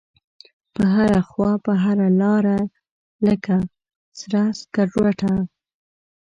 په هره خواپه هره لاره لکه سره سکروټه